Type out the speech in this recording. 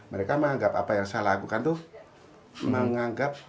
mereka menganggap apa yang saya lakukan itu menganggap